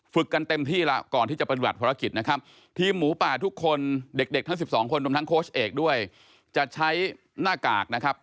กันเต็มที่แล้วก่อนที่จะปฏิบัติภารกิจนะครับทีมหมูป่าทุกคนเด็กทั้ง๑๒คนรวมทั้งโค้ชเอกด้วยจะใช้หน้ากากนะครับ